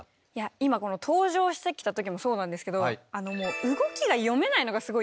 今登場してきた時もそうなんですけど動きが読めないのがすごいイヤなんですよ。